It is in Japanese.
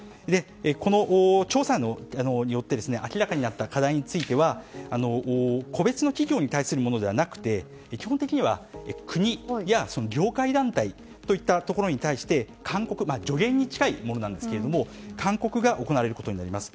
この調査によって明らかになった課題については個別の企業に対するものではなくて基本的には、国や業界団体といったところに対して助言に近いものですが勧告が行われることになります。